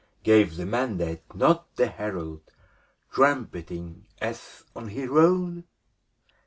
Gave the mandate not the herald. Trumpeting, as on he rode?